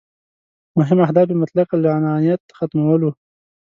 مهم اهداف یې مطلق العنانیت ختمول وو.